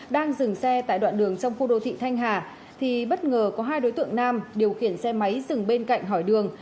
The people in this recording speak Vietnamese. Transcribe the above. đang dừng xe tại đoạn đường trong khu đô thị thanh hà thì bất ngờ có hai đối tượng nam điều khiển xe máy dừng bên cạnh hỏi đường